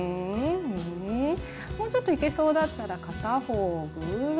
もうちょっといけそうだったら片方ぐうわ。